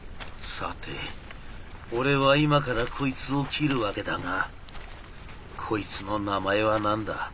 さて俺は今からこいつを斬るわけだがこいつの名前は何だ？